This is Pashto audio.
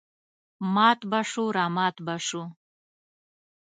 مات به شوو رامات به شوو.